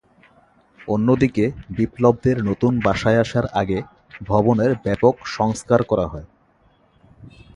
অন্যদিকে, বিপ্লব দেব নতুন বাসায় আসার আগে ভবনের ব্যাপক সংস্কার করা হয়।